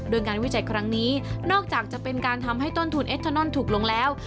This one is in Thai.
โดยการวิจัยครั้งนี้นอกจากจะเป็นการทำให้ต้นทุนเอทานอนถูกลงแล้ว